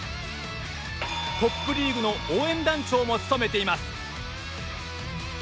トップリーグの応援団長も務めています。